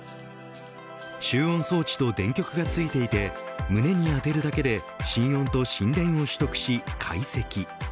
集音装置と電極がついていて胸に当てるだけで心音と心電を取得し解析。